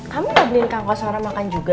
kamu gak beliin kak kosuara makan juga